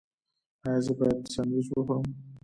ایا زه باید سنډویچ وخورم؟